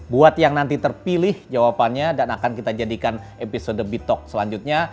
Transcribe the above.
buat yang nanti terpilih jawabannya dan akan kita jadikan episode bitok selanjutnya